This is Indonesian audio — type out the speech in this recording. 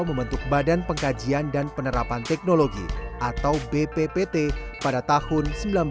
membentuk badan pengkajian dan penerapan teknologi atau bppt pada tahun seribu sembilan ratus sembilan puluh